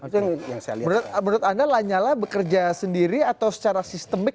menurut anda lanyala bekerja sendiri atau secara sistemik